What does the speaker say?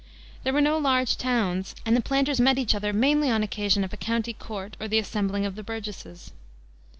There were no large towns, and the planters met each other mainly on occasion of a county court or the assembling of the Burgesses.